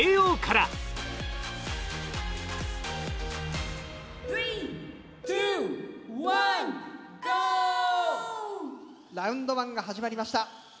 ラウンド１が始まりました。